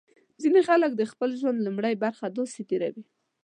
ځینې خلک د خپل ژوند لومړۍ برخه داسې تېروي.